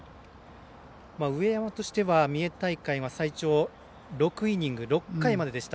上山とすれば三重大会、最長で６イニング、６回まででした。